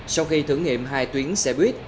sau khi thử nghiệm hai tuyến xe buýt